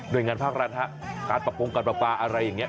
โดยงานภาครัฐฮะการปรับปรุงการประปาอะไรอย่างนี้